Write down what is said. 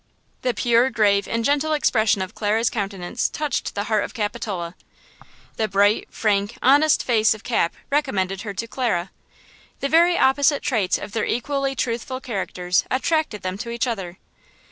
The pure, grave, and gentle expression of Clara's countenance touched the heart of Capitola, The bright, frank, honest face of Cap recommended her to Clara. The very opposite traits of their equally truthful characters attracted them to each other.